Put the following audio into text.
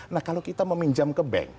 nah kalau kita meminjam ke bank